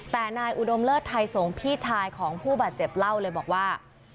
แต่นายอุดมเลิศไทยสงฆ์พี่ชายของผู้บาดเจ็บเล่าเลยบอกว่า